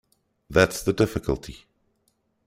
That's the difficulty.